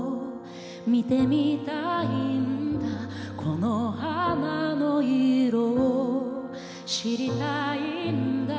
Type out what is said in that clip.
「見てみたいんだ」「この花の色を知りたいんだ」